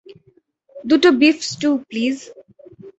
দুটো beef stew, please.